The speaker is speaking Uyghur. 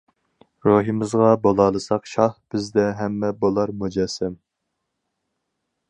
روھىمىزغا بولالىساق شاھ، بىزدە ھەممە بولار مۇجەسسەم.